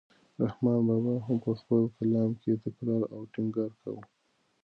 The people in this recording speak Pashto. رحمان بابا هم په خپل کلام کې تکرار او ټینګار کاوه.